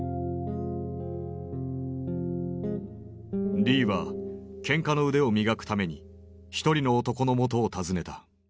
リーはけんかの腕を磨くために一人の男の元を訪ねた。